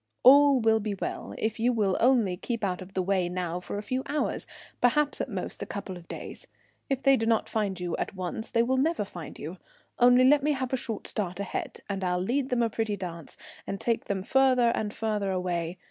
All will be well if you will only keep out of the way now for a few hours, perhaps at most a couple of days. If they do not find you at once they will never find you. Only let me have a short start ahead and I'll lead them a pretty dance, and take them further and further away.